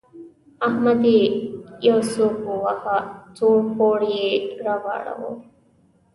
احمد يې يو سوک وواهه؛ سوړ پوړ يې راواړاوو.